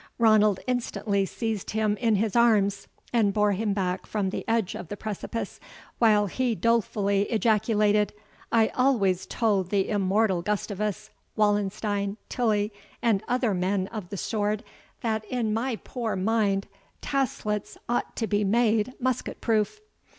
Ranald instantly seized him in his arms, and bore him back from the edge of the precipice, while he dolefully ejaculated, "I always told the immortal Gustavus, Wallenstein, Tilly, and other men of the sword, that, in my poor mind, taslets ought to be made musket proof."